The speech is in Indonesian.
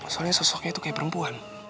soalnya sosoknya itu kayak perempuan